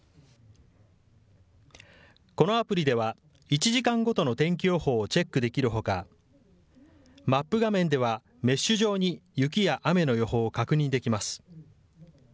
このアプリでは、１時間ごとの天気予報をチェックできるほか、マップ画面では、メッシュじょうに雪や雨の予報を確認できます。